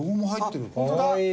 かわいい！